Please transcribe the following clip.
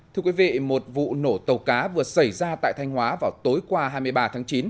thưa quý vị một vụ nổ tàu cá vừa xảy ra tại thanh hóa vào tối qua hai mươi ba tháng chín